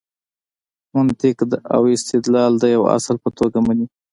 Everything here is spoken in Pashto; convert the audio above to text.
منطق او استدلال د یوه اصل په توګه مني.